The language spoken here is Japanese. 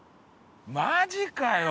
マジかよ！